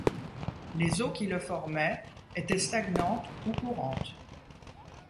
Les eaux qui le formaient étaient stagnantes ou courantes.